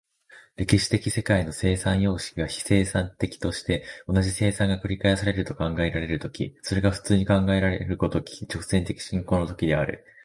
歴史的世界の生産様式が非生産的として、同じ生産が繰り返されると考えられる時、それが普通に考えられる如き直線的進行の時である。